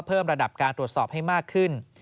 เพิ่มระดับการตรวจสอบให้มากขึ้น